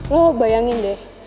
lo bayangin deh